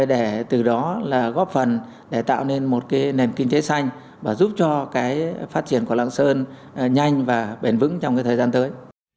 để từ đó góp phần để tạo nên một nền kinh tế xanh và giúp cho phát triển của lạng sơn nhanh và bền vững trong thời gian tới